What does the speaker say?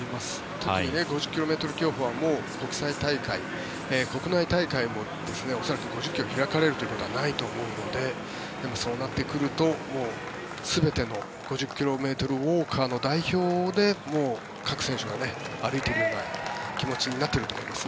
特に５０ｋｍ競歩はもう国際大会国内大会も恐らく５０ｋｍ開かれるということはないと思うのでそうなってくると全ての５０ｋｍウォーカーの代表で各選手が歩いているような気持ちになっていると思います。